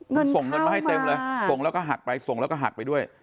มันส่งเงินมาให้เต็มเลยส่งแล้วก็หักไปส่งแล้วก็หักไปด้วย